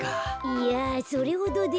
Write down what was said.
いやそれほどでも。